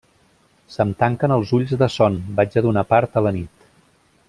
Se'm tanquen els ulls de son. Vaig a donar part a la nit.